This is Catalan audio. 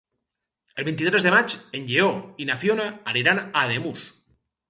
El vint-i-tres de maig en Lleó i na Fiona aniran a Ademús.